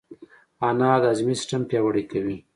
انار د هاضمې سیستم پیاوړی کوي.